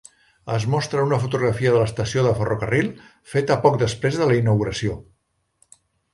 Es mostra una fotografia de l'estació de ferrocarril feta poc després de la inauguració.